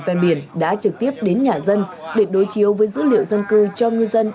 ven biển đã trực tiếp đến nhà dân để đối chiếu với dữ liệu dân cư cho ngư dân